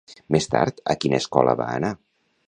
Més tard, a quina escola va anar?